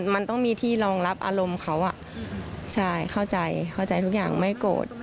มันต้องมีที่รองรับอารมณ์เขาใช่เข้าใจเข้าใจทุกอย่างไม่โกรธ